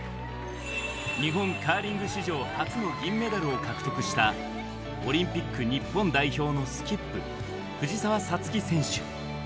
日本カーリング史上初の銀メダルを獲得したオリンピック日本代表のスキップ藤澤五月選手。